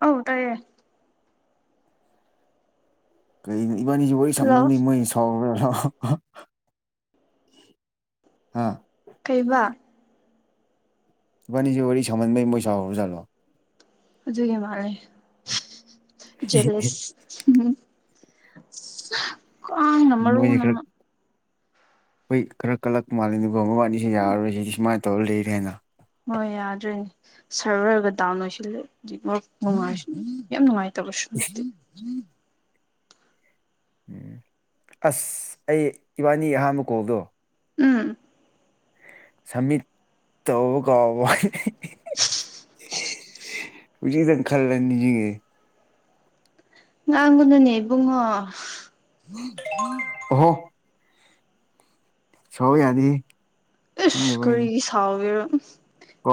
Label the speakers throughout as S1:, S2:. S1: ꯍ ꯇꯑꯌꯦ
S2: ꯀꯩꯅꯣ ꯏꯕꯥꯅꯤꯁꯨ ꯋꯥꯔꯤ ꯁꯝꯅꯤ ꯃꯣꯏ ꯁꯥꯎ ꯍꯥꯥ
S1: ꯀꯩꯕꯥ
S2: ꯃꯅꯤꯁꯤ ꯋꯥꯔꯤ ꯋꯥꯔꯤ ꯁꯅꯗꯩ ꯃꯩꯁꯥ ꯎꯔꯖꯜꯂꯣ
S1: ꯑꯗꯨꯒꯤ ꯃꯥꯂꯦ ꯖꯂꯁ ꯎ ꯀꯥꯝꯕ ꯔꯨꯅꯃ
S2: ꯍꯣꯏ ꯈꯔ ꯀꯜꯂꯛ ꯃꯥꯜꯂꯦ ꯑꯗꯨꯒꯕ ꯃꯕꯥꯅꯤꯁꯤ ꯌꯥꯔꯔꯣꯏꯁꯤꯗꯤ ꯁꯨꯃꯥꯏꯅ ꯇꯧꯔ ꯂꯩꯔꯦ ꯍꯥꯏꯅ
S1: ꯍꯣꯏ ꯌꯥꯗ꯭ꯔꯦ ꯁꯔꯚꯔꯒ ꯗꯥꯎꯟ ꯑꯣꯏꯁꯤꯜꯂꯦ [unintelligible] ꯌꯥꯝ ꯅꯨꯡꯉꯥꯏ [unintelligible]
S2: ꯑꯁ ꯑꯩ ꯏꯕꯥꯅꯤ ꯑꯍꯥꯟꯕ ꯀꯣꯜꯗꯣ
S1: ꯎꯝ
S2: ꯁꯃꯤꯠ ꯇꯩꯕ ꯀꯥꯎꯕ ꯍꯧꯖꯤꯛꯗꯪ ꯈꯜꯂ ꯅꯤꯁꯉꯛꯑꯦ
S1: ꯉꯥꯡꯒꯅꯨꯅꯦ ꯏꯕꯨꯡꯉꯣ
S2: ꯑꯣꯍꯣ ꯁꯥꯎ ꯌꯥꯗꯦꯍꯦ
S1: ꯏꯁ
S2: ꯈꯪꯗꯕꯩꯅꯤ
S1: ꯀꯔꯤꯒꯤ ꯁꯥꯎꯒꯦꯔꯣ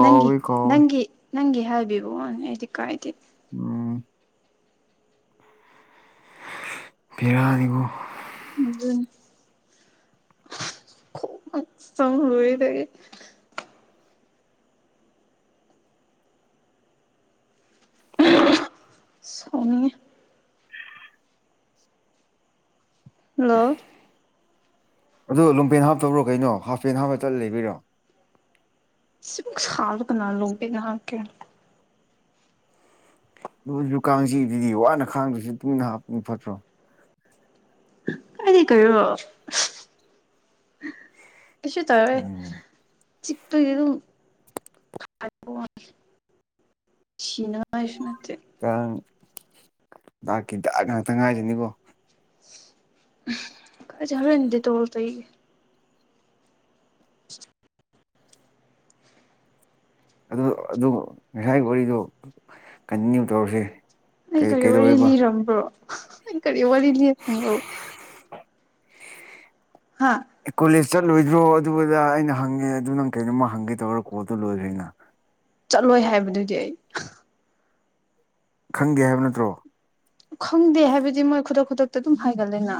S1: ꯅꯪꯒꯤ
S2: ꯀꯥꯎꯋꯦ
S1: ꯅꯪꯒꯤ ꯅꯪꯒꯤ ꯍꯥꯏꯕꯤꯕꯋꯥꯅꯦ ꯑꯩꯗꯤ ꯀꯥꯏꯗꯦ
S2: ꯎꯝ ꯕꯤꯔꯥꯅꯤꯕꯨ
S1: ꯑꯗꯨꯅꯤ [unintelligible] ꯁꯥꯎꯅꯤꯡꯉꯤ ꯍꯜꯂꯣ
S2: ꯑꯗꯣ ꯂꯣꯡꯄꯦꯟ ꯍꯥꯞꯇꯕ꯭ꯔꯣ ꯀꯩꯅꯣ ꯍꯥꯐꯄꯦꯟ ꯍꯥꯞꯄꯥ ꯆꯠ ꯂꯩꯕꯩꯔꯣ
S1: ꯁꯨꯛ ꯁꯔꯥ ꯀꯅꯅꯥ ꯂꯣꯡꯄꯦꯟ ꯍꯥꯞꯄꯀꯦꫪꯥ
S2: ꯂꯣꯏꯁꯨ ꯀꯥꯡꯁꯤ ꯑꯗꯨꯗꯤ ꯋꯥꯅ ꯈꯥꯡꯗ꯭ꯔꯁꯨ ꯟꯗꯨꯅ ꯍꯥꯞꯄ ꯐꯠꯇ꯭ꯔꯣ
S1: [unintelligible]
S2: ꯎꯝ
S1: [unintelligible] [unintelligible]
S2: ꯗꯥꯛꯀꯤ ꯗꯥꯛ ꯉꯛꯇꯥ ꯉꯥꯏꯁꯤꯅꯤꯀꯣ
S1: [unintelligible] [unintelligible]
S2: ꯑꯗꯨ ꯑꯗꯨ ꯉꯁꯥꯏꯒꯤ ꯋꯥꯔꯤꯗꯨꯣ ꯀꯟꯇꯤꯅ꯭ꯌꯨ ꯇꯧꯔꯁꯦ
S1: ꯑꯩ
S2: ꯀꯩ
S1: ꯀꯔꯤ ꯋꯥꯔꯤ
S2: ꯀꯩꯗꯧꯋꯦꯕ
S1: ꯂꯤꯔꯝꯕ꯭ꯔꯣ ꯑꯩ ꯀꯔꯤ ꯋꯥꯔꯤ ꯂꯤꯔꯝꯕ꯭ꯔꯣ ꯍꯥ
S2: ꯑꯦ ꯀꯣꯂꯦꯖ ꯆꯠꯂꯣꯏꯗ꯭ꯔꯣ ꯑꯗꯨ ꯑꯗꯥ ꯑꯩꯅ ꯍꯪꯉꯦ ꯑꯗꯨ ꯅꯪ ꯀꯩꯅꯣꯝꯃ ꯍꯪꯒꯦ ꯇꯧꯔ ꯀꯣꯜꯗꯨ ꯂꯣꯏꯈ꯭ꯔꯦꯅ
S1: ꯆꯠꯂꯣꯏ ꯍꯥꯏꯕꯗꯨꯗꯤ ꯑꯩ
S2: ꯈꯪꯗꯦ ꯍꯥꯏꯕ ꯅꯠꯇ꯭ꯔꯣ
S1: ꯈꯪꯗꯦ ꯍꯥꯏꯕꯗꯤ ꯃꯣꯏ ꯈꯨꯗꯛ ꯈꯨꯗꯛꯇ ꯑꯗꯨꯝ ꯍꯥꯏꯒꯜꯂꯦꯅ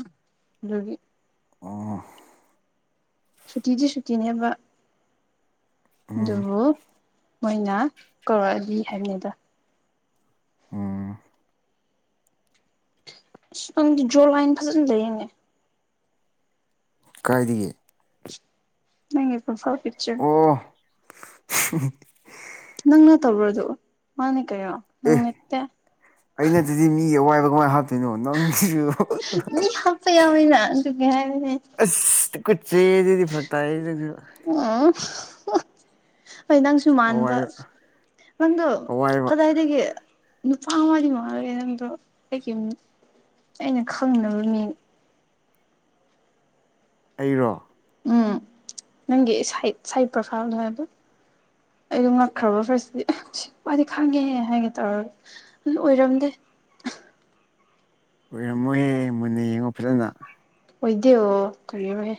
S1: ꯑꯗꯨꯒꯤ
S2: ꯑꯣ
S1: ꯁꯨꯇꯤꯗꯤ ꯁꯨꯇꯤꯅꯦꯕ
S2: ꯎꯝ
S1: ꯑꯗꯨꯕꯨ ꯃꯣꯏꯅ ꯀꯧꯔꯛꯑꯗꯤ ꯍꯥꯏꯕꯅꯤꯗ
S2: ꯎꯝ
S1: ꯪ ꯅꯪꯗꯤ ꯖꯣꯔ ꯂꯥꯏꯟ ꯐꯖꯅ ꯂꯩꯌꯦꯅꯦ
S2: ꯀꯥꯏꯗꯒꯤ
S1: ꯅꯪꯒꯤ ꯄꯔꯣꯐꯥꯏꯜ ꯄꯤꯛꯆꯔ
S2: ꯎ
S1: ꯅꯪꯅ ꯇꯧꯕ꯭ꯔꯗꯨ ꯃꯥꯅꯦ ꯀꯩꯅꯣ
S2: ꯑꯦ
S1: ꯅꯪ ꯅꯠꯇꯦ
S2: ꯑꯩ ꯅꯠꯇꯗꯤ ꯃꯤꯒꯤ ꯑꯋꯥꯏꯕ ꯀꯃꯥꯏꯅ ꯍꯥꯞꯇꯣꯏꯅꯣ ꯅꯪꯁꯨ
S1: ꯃꯤ ꯍꯞꯄꯥ ꯌꯥꯝꯃꯤꯅ ꯑꯗꯨꯒꯤ ꯍꯥꯏꯕꯅꯦ
S2: ꯑꯁ
S1: ꯎꯝ
S2: [unintelligible]
S1: ꯍꯣꯏ ꯅꯪꯁꯨ ꯃꯥꯟꯕ
S2: ꯑꯋꯥꯏꯕ
S1: ꯅꯪꯗꯣ
S2: ꯑꯋꯥꯏꯕ
S1: ꯀꯗꯥꯏꯗꯒꯤ ꯅꯨꯄꯥ ꯃꯔꯤ ꯃꯉꯥꯒꯤ ꯅꯗꯣ ꯑꯩꯒꯤ ꯑꯩꯅ ꯈꯪꯗꯥꯕ ꯃꯤ
S2: ꯑꯩꯔꯣ
S1: ꯎꯝ ꯅꯪꯒꯤ ꯁꯩꯠ ꯁꯩꯠ ꯄ꯭ꯔꯣꯐꯥꯏꯜ ꯑꯣꯏꯣ ꯑꯩꯗꯣ ꯉꯛꯈ꯭ꯔꯕ ꯐꯔꯁꯇꯥꯗꯤ ꯁꯤ ꯅꯨꯄꯥꯗꯤ ꯈꯪꯉꯦ ꯍꯥꯏꯒꯦ ꯇꯧꯔꯒ ꯑꯗꯨ ꯑꯣꯏꯔꯝꯗꯦ
S2: [unintelligible] ꯑꯣꯏꯔꯝꯃꯣꯏꯍꯦ ꯃꯨꯟꯅ ꯌꯦꯡꯉꯣ ꯐꯖꯅ
S1: ꯑꯣꯏꯗꯦ ꯑꯣ ꯀꯔꯤꯔꯣꯍꯦ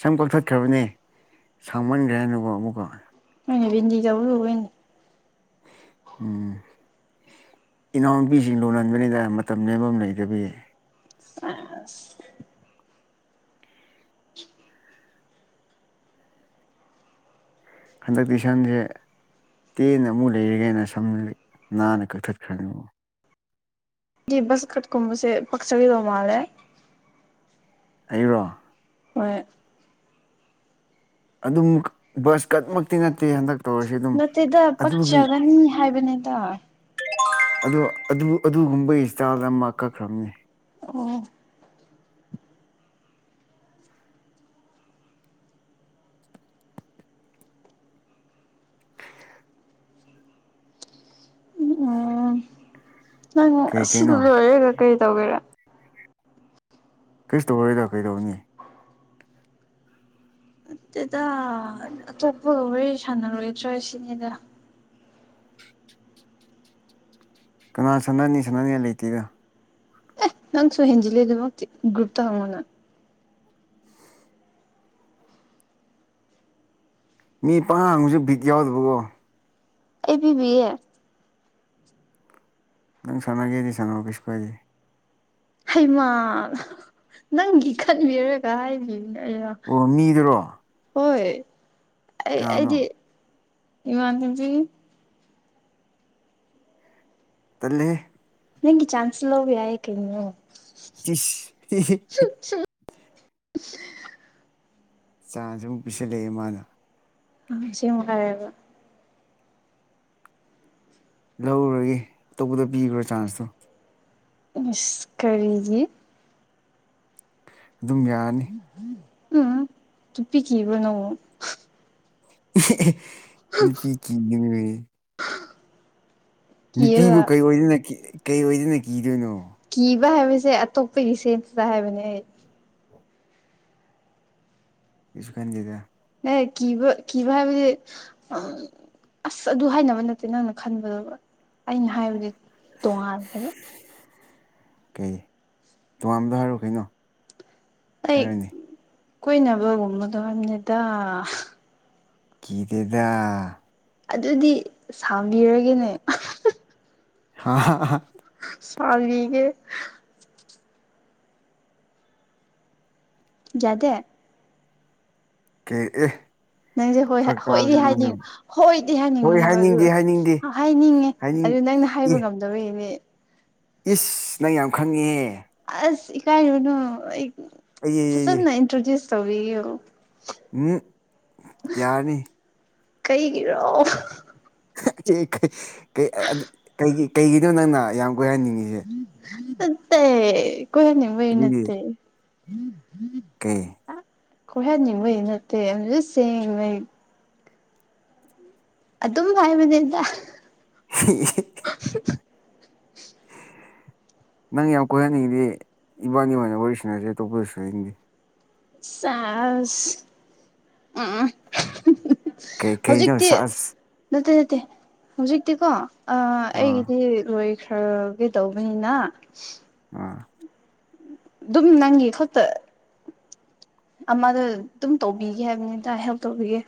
S2: ꯁꯝ ꯀꯛꯊꯠꯈ꯭ꯔꯕꯅꯦ ꯁꯥꯡꯃꯟꯈ꯭ꯔꯦ ꯍꯥꯏꯅꯀꯣ ꯑꯃꯨꯛꯀ
S1: [unintelligible]
S2: ꯑꯝ ꯏꯅꯥꯎꯅꯨꯄꯤꯁꯤꯡ ꯂꯣꯟꯍꯟꯕꯅꯤꯗ ꯃꯇꯝ ꯂꯦꯟꯐꯝ ꯂꯩꯇꯕꯒꯤ
S1: [unintelligible] [unintelligible]
S2: [unintelligible] ꯇꯦꯅ ꯑꯃꯨꯛ ꯂꯩꯔꯒꯦꯅ ꯁꯝ ꯅꯥꯟꯅ ꯀꯛꯊꯠꯈ꯭ꯔꯅꯤ
S1: ꯒꯤ ꯕꯖ ꯀꯠ ꯀꯨꯨꯝꯕꯁꯦ ꯄꯛꯆꯕ ꯃꯥꯜꯂꯦ
S2: ꯑꯩꯔꯣ
S1: ꯍꯣꯏ
S2: ꯑꯗꯨꯝ ꯕꯖ ꯀꯠꯃꯛꯇꯤ ꯅꯠꯇꯦ ꯍꯟꯗꯛ ꯇꯧꯔꯁꯤ ꯑꯗꯨꯝ
S1: ꯅꯠꯇꯦꯗ
S2: ꯑꯗꯨꯒꯤ
S1: ꯄꯛꯆꯒꯅꯤ ꯍꯥꯏꯕꯅꯤꯗ
S2: ꯑꯣ ꯑꯗꯨ ꯑꯗꯨꯒꯨꯝꯕꯒꯤ ꯏꯁꯇꯥꯜꯗ ꯑꯃ ꯀꯛꯈ꯭ꯔꯕꯅꯤ
S1: ꯑꯣ ꯎꯝ ꯅꯪ
S2: ꯀꯩ
S1: ꯑꯁꯤ
S2: ꯀꯩꯅꯣ
S1: ꯂꯣꯏꯔꯦꯒ ꯀꯔꯤ ꯇꯧꯒꯦꯔꯥ
S2: ꯀꯩꯁꯨ ꯇꯧꯔꯔꯣꯏꯗ ꯀꯩꯗꯧꯅꯤ
S1: ꯅꯠꯇꯦꯗꯥ ꯑꯇꯣꯞꯄꯒ ꯋꯥꯔꯤ ꯁꯥꯟꯅꯔꯣꯏꯗ꯭ꯔ ꯁꯤꯅꯤꯗ
S2: ꯀꯅꯥ ꯁꯥꯟꯅꯅꯤ ꯁꯥꯟꯅꯅꯤ ꯂꯩꯇꯦꯗ
S1: ꯅꯪꯁꯨ ꯍꯦꯟꯖꯂ ꯑꯗꯨ ꯃꯛꯇꯤ ꯒꯔꯨꯞꯇ ꯍꯪꯉꯣꯅ
S2: ꯃꯤ ꯄꯉꯥꯡꯁꯨ ꯕꯤꯗ ꯌꯥꯎꯗꯕꯀꯣ
S1: ꯑꯩ ꯄꯤꯕꯤ ꯑꯦ
S2: ꯅꯪ ꯁꯟꯅꯥ ꯒꯦꯗꯤ ꯁꯥꯟꯅꯧꯑꯣ ꯀꯩꯁꯨ ꯀꯥꯏꯗꯦ
S1: ꯍꯩꯃꯥ ꯅꯪꯒꯤ ꯈꯟꯕꯤꯔꯒ ꯍꯥꯏꯕꯤ
S2: ꯑꯣ ꯃꯤꯗꯨꯔꯣ
S1: ꯍꯣꯏ ꯑꯩ
S2: ꯀꯅꯥꯅꯣ
S1: ꯑꯩꯗꯤ ꯏꯃꯥꯟꯅꯕꯤ
S2: ꯇꯜꯂꯦ
S1: ꯅꯪꯒꯤ ꯆꯥꯥꯟꯁ ꯂꯧꯕ ꯌꯥꯌꯦ ꯀꯩꯅꯣ
S2: [unintelligible] ꯆꯥꯟꯁ ꯑꯃꯨꯛ ꯄꯤꯁꯜꯂꯛꯑꯦ ꯃꯥꯅ
S1: ꯑꯁꯦꯡꯕ ꯍꯥꯏꯔꯒꯥ
S2: ꯂꯧꯔꯣꯏꯔꯒꯦ ꯑꯇꯧꯕꯕꯗ ꯄꯤꯈꯔꯣ ꯆꯥꯟꯁꯇꯣ
S1: ꯏꯁ ꯀꯔꯤꯒꯤ
S2: ꯑꯗꯨꯝ ꯌꯥꯅꯤ
S1: [unintelligible]
S2: ꯅꯨꯄꯤ ꯀꯤꯕꯅꯤꯅꯦ
S1: ꯀꯤꯌꯦꯕ
S2: ꯅꯨꯄꯤꯕꯨ ꯀꯩ ꯑꯣꯏꯗꯅ ꯀꯩ ꯑꯣꯏꯗꯅ ꯀꯤꯗꯣꯏꯅꯣ
S1: ꯀꯤꯕ ꯍꯥꯏꯕꯁꯦ ꯑꯇꯣꯞꯄꯒꯤ ꯁꯦꯟꯁꯇ ꯍꯥꯏꯕꯅꯦ ꯑꯩ
S2: ꯀꯩꯁꯨ ꯈꯟꯗꯦꯗ
S1: ꯑꯦ ꯀꯤꯕ ꯀꯤꯕ ꯍꯥꯏꯕꯗꯤ ꯑꯁ ꯑꯗꯨ ꯍꯥꯏꯅꯕ ꯅꯠꯇꯦ ꯅꯪꯅ ꯈꯟꯕꯗꯣ ꯑꯩꯅ ꯍꯥꯏꯕꯗꯤ ꯇꯣꯉꯜꯂꯦꯕ
S2: ꯀꯩ ꯇꯣꯉꯥꯟꯕꯗꯣ ꯍꯥꯏꯔꯛꯑꯣ ꯀꯩꯅꯣ ꯍꯥꯏꯔꯣꯅꯦ
S1: ꯀꯣꯏꯅꯕ ꯒꯨꯝꯕꯗꯣ ꯍꯥꯏꯕꯅꯤꯗ
S2: ꯀꯤꯗꯦꯗꯥ
S1: ꯑꯗꯨꯗꯤ ꯁꯥꯝꯕꯤꯔꯒꯦꯅꯦ
S2: ꯍꯥ ꯍꯥ
S1: ꯁꯥꯕꯤꯒꯦ ꯌꯥꯗꯦ
S2: ꯀꯦ ꯑꯦ
S1: ꯅꯪꯁꯦ ꯍꯣꯏ
S2: ꯐꯔꯛ
S1: ꯍꯣꯏꯗꯤ
S2: ꯇꯥꯗ꯭ꯔꯣ ꯅꯪꯁꯨ
S1: ꯍꯥꯏꯅꯤꯡ ꯍꯣꯏꯗꯤ
S2: ꯍꯣꯏ
S1: ꯍꯥꯏꯅꯤꯡꯕꯅꯦꯕ ꯑꯗꯨ
S2: ꯍꯥꯏꯅꯤꯡꯗꯦ ꯍꯥꯏꯅꯤꯡꯗꯦ
S1: ꯍꯥꯏꯅꯤꯡꯉꯦ
S2: ꯍꯥꯏꯅꯤꯡ
S1: ꯑꯗꯨ ꯅꯪꯅ
S2: ꯏ
S1: ꯍꯥꯏꯕ ꯉꯝꯗꯕꯒꯤꯅꯦ
S2: ꯏꯁ ꯅꯪ ꯌꯥꯝ ꯈꯪꯉꯤꯍꯦ
S1: ꯑꯁ ꯏꯀꯥꯏꯔꯨꯅꯨ ꯑꯩ
S2: ꯑꯩ
S1: ꯐꯖꯅ ꯏꯟꯇ꯭ꯔꯣꯗ꯭ꯌꯨꯁ ꯇꯧꯕꯤꯌꯣ
S2: ꯌꯥꯔꯅꯤ
S1: ꯀꯩꯒꯤꯔꯣ
S2: ꯀꯩꯒꯤꯅꯣ ꯅꯪꯅ ꯌꯥꯝ ꯀꯣꯏꯍꯟꯅꯤꯡꯉꯤꯁꯦ
S1: ꯠꯇꯦ ꯀꯍꯅꯤꯕꯩ ꯅꯇꯦ
S2: ꯀꯦ
S1: ꯈꯨꯃꯟ ꯅꯤꯡꯕꯏ ꯅꯇꯦ ꯁꯦꯡ ꯑꯗꯨ ꯄꯥꯏ ꯕꯅꯤꯗ
S2: [inaudible] ꯅꯪ ꯌꯥꯝ ꯀꯣꯏꯍꯟꯅꯤꯡꯉꯤꯗꯤ ꯏꯕꯥꯅꯤ ꯑꯣꯏꯅ ꯋꯥꯔꯤ ꯁꯟꯅꯁꯦ ꯑꯇꯣꯞꯄꯗꯁꯨꯅꯤꯡꯗꯦ
S1: ꯁꯥꯏ
S2: ꯀꯩ ꯀꯩꯅꯣ
S1: ꯍꯧꯖꯤꯛꯇꯤ
S2: ꯁꯥꯁ
S1: ꯅꯠꯇꯦ ꯍꯧꯖꯤꯛꯇꯤꯀꯣ
S2: ꯑꯥ
S1: ꯑꯩꯒꯤꯗꯤꯂꯣꯏ ꯈꯔ ꯀꯩ ꯇꯧꯕꯅꯤꯅ
S2: ꯑꯥ
S1: ꯑꯗꯨꯝ ꯅꯪꯒꯤ ꯈꯛꯠ ꯑꯃꯗ ꯑꯗꯨꯝ ꯇꯧꯕꯤꯒꯦ ꯍꯥꯏꯕꯅꯤꯗ ꯍꯦꯜꯞ ꯇꯧꯕꯤꯒꯦ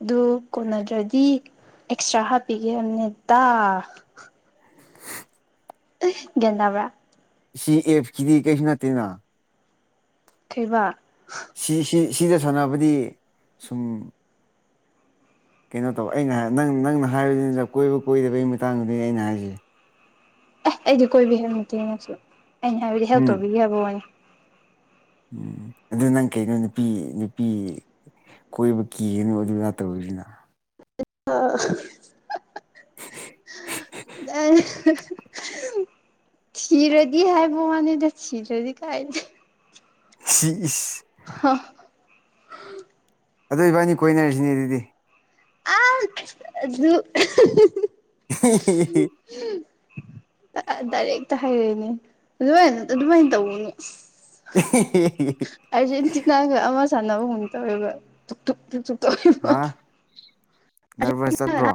S1: ꯑꯗꯨ ꯀꯣꯟꯅꯗ꯭ꯔꯗꯤ ꯑꯦꯛꯁꯇ꯭ꯔꯥ ꯍꯥꯞꯄꯤꯒꯦꯍꯥꯝꯅꯤꯇꯥ ꯒꯦꯟꯠꯕꯔꯥ
S2: ꯁꯤ ꯑꯦꯞꯀꯤꯗꯤ ꯀꯩꯁꯨ ꯅꯠꯇꯦꯅ
S1: ꯊꯕ
S2: ꯁꯤ ꯁꯤ ꯁꯤꯗ ꯁꯥꯟꯅꯕꯗꯤ ꯁꯨꯝ ꯀꯩꯅꯣ ꯇꯧꯕ ꯑꯩꯅ ꯅꯪ ꯅꯪꯅ ꯍꯥꯏꯕꯗꯨꯗ ꯀꯣꯏꯕ ꯀꯣꯏꯗꯕꯒꯤ ꯃꯇꯥꯡꯗꯨꯗꯅꯤ ꯑꯩꯅ ꯍꯥꯏꯔꯤ
S1: ꯑꯦ ꯑꯩꯗꯤ ꯀꯣꯏꯕꯤ ꯍꯦ ꯅꯠꯇꯦꯅꯁꯨ ꯑꯩꯅ ꯍꯥꯏꯕꯗꯤ ꯍꯦꯜꯞ
S2: ꯎꯝ
S1: ꯇꯧꯕꯤꯒꯦ ꯍꯥꯏꯕ ꯋꯥꯅꯦ
S2: ꯎꯝ ꯑꯗꯨ ꯅꯪ ꯀꯩꯅꯣ ꯅꯨꯄꯤ ꯅꯨꯄꯤ ꯀꯣꯏꯕ ꯀꯤꯒꯅꯨ ꯑꯗꯨ ꯉꯥꯛ ꯇꯧꯁꯤꯅ
S1: [unintelligible] ꯊꯤꯔꯗꯤ ꯍꯥꯏꯕ ꯃꯥꯅꯤꯗ ꯊꯤꯔꯗꯤ ꯀꯥꯏꯅꯤ
S2: [inaudible]
S1: ꯍ
S2: ꯑꯗꯨ ꯏꯕꯥꯅꯤ ꯀꯣꯏꯅꯔꯤꯁꯤꯅꯦ ꯑꯗꯨꯗꯤ
S1: ꯑ ꯑꯗꯨ
S2: [inaudible]
S1: ꯇꯥꯍꯥꯏꯔꯛꯏꯅꯦ ꯂꯨꯍꯟ ꯑꯗꯨꯃꯥꯏꯅ ꯇꯧꯅꯨꯅꯣꯏ ꯑꯔꯖꯦꯟ ꯇꯅꯒ ꯑꯃ ꯆꯥꯟꯅꯕꯨ ꯍꯨ ꯇ ꯑꯣꯏꯦꯕꯛ ꯊꯛ ꯊ ꯊ ꯇꯧ
S2: ꯍꯥ ꯅꯔꯚꯁ ꯆꯠꯄ꯭ꯔꯣ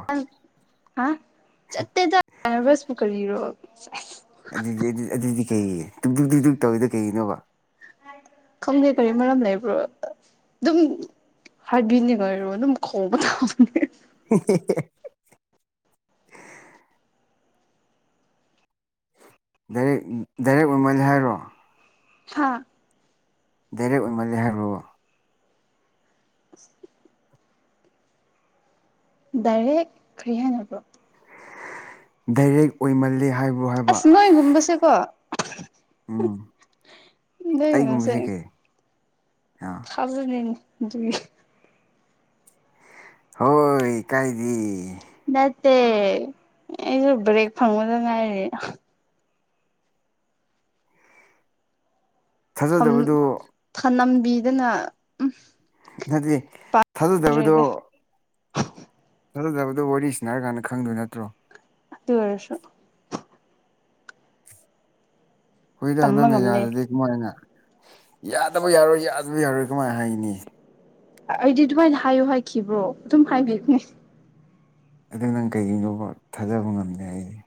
S1: ꯍꯥ ꯆꯠꯠꯇꯦ ꯆ ꯔꯁꯕꯨꯨ ꯀꯔꯣ
S2: ꯑꯗꯨꯗꯤ ꯑꯗꯨꯗꯤ ꯀꯩ ꯇꯨꯗꯤꯛ ꯇꯨꯗꯤꯛ ꯇꯧꯋꯤꯗ ꯀꯩꯒꯤꯅꯣꯕ
S1: ꯈꯪꯗꯦ ꯀꯔꯤ ꯃꯔꯝ ꯂꯩꯕ꯭ꯔꯣ ꯑꯗꯨꯝ ꯍꯔꯕꯤꯅꯤꯒꯔꯅ ꯈꯣꯡꯋꯥꯕꯥꯎ
S2: [inaudible] ꯗꯥꯏꯔꯦꯛ ꯗꯥꯏꯔꯦꯛ ꯑꯣꯏꯃꯜꯂꯦ ꯍꯥꯏꯔꯣ
S1: ꯍꯥꯥ
S2: ꯗꯥꯏꯔꯧꯛ ꯑꯣꯏꯃꯥꯂꯦ ꯍꯤꯔꯣꯕꯥ
S1: [inaudible] ꯗꯥꯏꯔꯦꯛ ꯈꯔꯤ ꯍꯥꯏꯅꯕ꯭ꯔꯣ
S2: ꯗꯥꯏꯔꯦꯛ ꯑꯣꯏꯃꯂꯦ ꯍꯥꯏꯕ
S1: ꯑꯁ ꯅꯣꯏꯒꯨꯝꯕꯁꯦꯀꯣ
S2: ꯎꯝ ꯑꯩꯒꯨꯝꯕꯁꯦ
S1: ꯂꯩꯁꯩ
S2: ꯀꯩ ꯑꯥ
S1: ꯈꯕꯔꯅꯤꯅꯤ
S2: ꯍꯣꯏ ꯀꯥꯏꯗꯤ
S1: ꯦ ꯑꯩꯁꯨ ꯕ꯭ꯔꯦꯛ ꯐꯪꯕꯗ ꯉꯥꯏꯔꯤꯦ
S2: ꯊꯥꯖꯗꯕꯗꯨ
S1: ꯊꯅꯝꯕꯤꯗꯅ ꯎꯝ
S2: ꯅꯗꯤ ꯊꯥꯖꯗꯕꯗꯣ ꯐꯖꯗꯕꯗꯣ ꯋꯥꯔꯤꯁꯤꯅꯔ ꯀꯥꯟꯗ ꯈꯪꯗꯣꯏ ꯅꯠꯇ꯭ꯔꯣ
S1: ꯑꯗꯨ ꯋꯥꯔꯁꯣ
S2: ꯍꯨꯏꯗ
S1: ꯇꯝꯕ
S2: ꯅꯪꯅ
S1: ꯉꯝꯗꯦ
S2: ꯌꯥꯔꯗꯤꯦ ꯀꯃꯥꯏꯅ ꯌꯥꯗꯕ ꯌꯥꯔꯣꯏ ꯌꯥꯗꯕ ꯌꯥꯔꯣꯏ ꯀꯃꯥꯏꯅ ꯍꯥꯏꯅꯤ
S1: ꯑꯩꯗꯤ ꯑꯗꯨꯃꯥꯏꯅ ꯍꯥꯏꯌꯣ ꯍꯥꯏꯈꯤꯕ꯭ꯔꯣ ꯑꯗꯨꯝ ꯍꯥꯏꯕꯤꯈꯅꯦ
S2: ꯑꯗꯨ ꯅꯪ ꯀꯩꯒꯤꯅꯣꯕ ꯊꯥꯖꯕ ꯉꯝꯗꯦ ꯑꯩꯁꯦ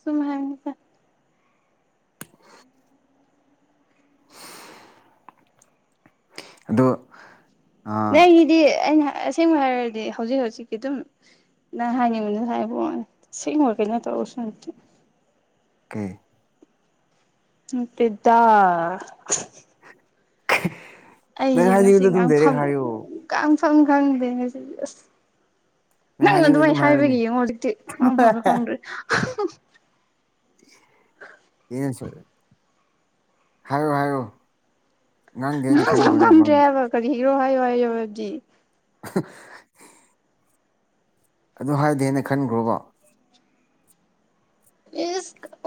S1: ꯁꯨꯝꯃ ꯍꯥꯏ
S2: ꯑꯗꯣ ꯑꯥ
S1: ꯅꯪꯒꯤꯗꯤ ꯑꯩꯅ ꯑꯁꯦꯡꯕ ꯍꯥꯏꯔꯗꯤ ꯍꯧꯖꯤꯛ ꯍꯧꯖꯤꯛꯀꯤ ꯑꯗꯨꯝ ꯅ ꯍꯥꯏ ꯃꯅꯤ ꯍꯥꯏꯥꯏ ꯁꯤ ꯀꯩꯅ ꯇꯧꯁ
S2: ꯀꯦ [unintelligible] [inaudible]
S1: ꯏꯗ [inaudible]
S2: [unintelligible] [inaudible] ꯅꯪ
S1: ꯑꯩꯁꯦ ꯉꯁꯤ
S2: ꯍꯥꯏꯅꯤꯡꯕꯗꯣ ꯑꯗꯨꯝ ꯗꯥꯏꯔꯦꯛ
S1: ꯉꯥꯡꯐꯝ
S2: ꯍꯥꯏꯌꯣ
S1: ꯉꯥꯡꯐꯝ ꯈꯪꯗꯦ ꯉꯁꯤ ꯑꯁ ꯅꯪ
S2: ꯍꯥꯏꯅꯤꯡꯕ
S1: ꯑꯗꯨꯃꯥꯏꯅ
S2: ꯑꯗꯨꯝ ꯍꯥꯏꯔꯅꯤ
S1: ꯍꯥꯏꯕꯒꯤ ꯌꯦꯡꯉꯣ ꯍꯧꯖꯤꯛꯇꯤ ꯃ ꯐꯕ ꯈꯪꯗ꯭ꯔꯦ
S2: ꯌꯦꯅꯦ ꯆꯦ [inaudible] [unintelligible] ꯍꯥꯏꯌꯣ ꯍꯥꯏꯌꯣ
S1: ꯁ ꯈꯟꯗ꯭ꯔꯦ ꯍꯥꯏꯕ ꯀꯔꯤ ꯍꯤꯔꯣ ꯍꯥꯏꯌꯣ ꯍꯥꯏꯌ
S2: [unintelligible] [inaudible] ꯑꯗꯨ ꯍꯥꯏꯗꯦꯅ ꯈꯟꯈ꯭ꯔꯣꯕꯣ [unintelligible] [inaudible]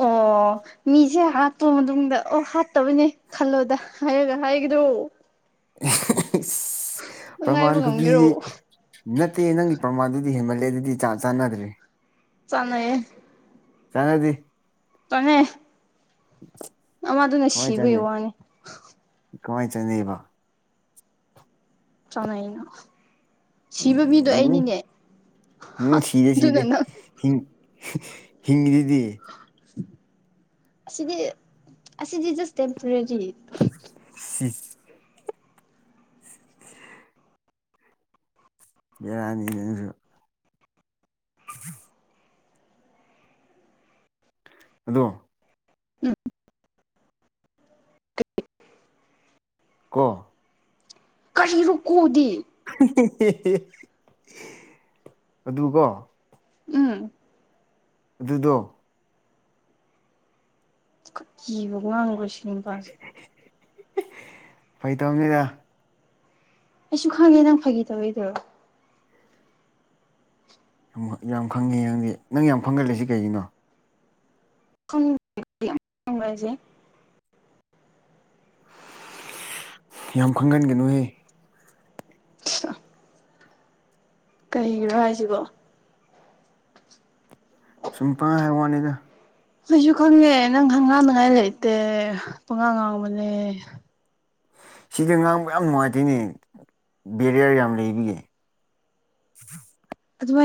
S1: ꯑꯣ ꯃꯤꯁꯦ ꯍꯥꯠꯇꯣ ꯃꯇꯨꯡꯗ ꯑꯣ ꯍꯥꯠꯇꯕꯅꯦ ꯈꯜꯂꯣꯗ ꯍꯥꯏꯔꯒ ꯍꯥꯏ ꯍ ꯑꯗꯨ
S2: ꯄ꯭ꯔꯃꯥꯟ
S1: ꯉꯥꯏꯕ
S2: ꯈꯨꯕꯤ
S1: ꯉꯝꯒꯦꯔꯣ
S2: ꯅꯠꯇꯦ ꯅꯪꯒꯤ ꯄ꯭ꯔꯃꯥꯟꯗꯨꯗꯤ ꯗꯤ ꯍꯦꯃꯂꯗꯗꯤ ꯆꯥꯟꯅꯗ꯭ꯔꯦ
S1: ꯆꯉꯌꯦ
S2: ꯆꯉꯗꯤ
S1: ꯇꯃꯦ ꯑ ꯑꯗꯨꯅ ꯁꯤꯕꯩ ꯋꯥꯅꯦ
S2: ꯀꯃꯥꯏꯅ ꯆꯅꯤꯕ
S1: ꯆꯉꯥꯏꯅ
S2: ꯎꯝ ꯎꯝ ꯁꯤꯤꯗꯦ ꯁꯤꯤꯗꯦ
S1: ꯑꯗꯨꯅ ꯅꯪ
S2: ꯍ ꯍꯤꯡꯃꯤꯗꯤ
S1: ꯑꯁꯤꯗꯤ ꯑꯁꯤ ꯁꯤꯗꯤꯁ ꯇꯦꯝꯄꯣꯔꯔꯤ
S2: ꯁꯤ [inaudible] [unintelligible] [inaudible] ꯕꯤꯔꯅꯤꯁꯨ [unintelligible] [inaudible] ꯑꯗꯣ
S1: ꯎꯝ
S2: ꯀꯣ
S1: ꯀꯔꯤꯔꯨꯛꯀꯨꯗꯤ
S2: [inaudible] ꯑꯗꯨ ꯀꯣ
S1: ꯎꯝ
S2: ꯑꯗꯨꯗꯣ
S1: ꯀꯤꯕ [unintelligible] ꯕꯁꯤ ꯅꯨꯄꯥꯁꯦ
S2: ꯐꯥꯏ ꯇꯧꯅꯤꯗ
S1: ꯑꯩꯁꯨ ꯈꯪꯉꯦ ꯅꯪ ꯐꯥꯒꯤ ꯇꯧꯋꯦꯗꯣ
S2: ꯑꯍꯃꯨꯛ ꯌꯥꯝ ꯈꯪꯉꯦ ꯅꯪꯗꯤ ꯅꯪ ꯌꯥꯝ ꯈꯪꯒꯜꯂꯤꯁꯤ ꯀꯩꯒꯤꯅꯣ
S1: ꯈꯪ [unintelligible] [inaudible]
S2: ꯌꯥꯝ ꯈꯪꯒꯟꯒꯅꯨꯍꯦ
S1: ꯀꯩꯒꯤꯔꯥ ꯍꯥꯏꯁꯤꯕꯣ
S2: ꯁꯨꯝ ꯄꯥꯍꯥꯏ ꯍꯥꯏ ꯋꯥꯅꯤꯗ
S1: ꯑꯩꯁꯨ ꯈꯪꯉꯦ ꯅꯪ ꯍꯪ ꯉꯥꯡꯅꯤꯉꯥꯏ ꯂꯩꯇꯦ ꯄꯉꯥꯡ ꯉꯥꯡꯕꯅꯦ
S2: ꯁꯤꯗ ꯉꯥꯡꯕ ꯌꯥꯝ ꯅꯨꯡꯉꯥꯏꯇꯦꯅꯦ ꯕꯦꯔꯤꯌꯔ ꯌꯥꯝ ꯂꯩꯕꯒꯤ [inaudible]
S1: ꯑꯗꯨꯃꯥꯏꯅ